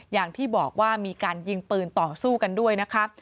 อย่างที่บอกว่ามีการยิงปืนต่อสู้กันด้วยนะคะ